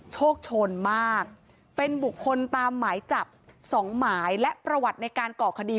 โชคชนมากเป็นบุคคลตามหมายจับสองหมายและประวัติในการก่อคดี